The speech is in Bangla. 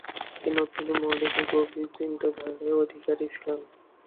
তিনি অত্যন্ত মৌলিক ও গভীর চিন্তধারার অধিকারী ছিলেন।